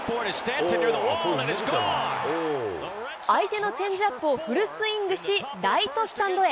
相手のチェンジアップをフルスイングし、ライトスタンドへ。